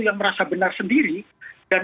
yang merasa benar sendiri dan